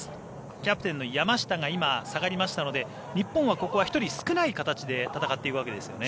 キャプテンの山下が今、下がりましたので日本はここは１人少ない形で戦っていますよね。